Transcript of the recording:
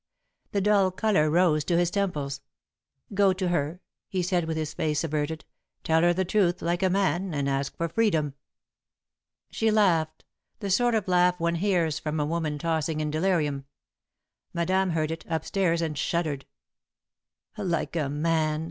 The dull colour rose to his temples. "Go to her," he said, with his face averted, "tell her the truth like a man, and ask for freedom." She laughed the sort of laugh one hears from a woman tossing in delirium. Madame heard it, up stairs, and shuddered. "Like a man!"